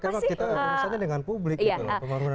ya karena kita urusannya dengan publik gitu loh